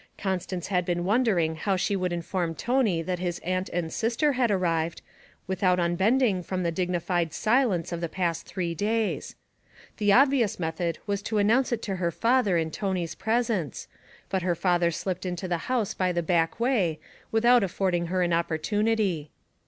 Constance had been wondering how she could inform Tony that his aunt and sister had arrived, without unbending from the dignified silence of the past three days. The obvious method was to announce it to her father in Tony's presence, but her father slipped into the house by the back way without affording her an opportunity.